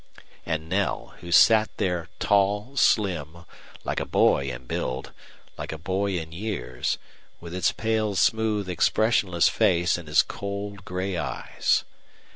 And Knell, who sat there, tall, slim, like a boy in build, like a boy in years, with his pale, smooth, expressionless face and his cold, gray eyes.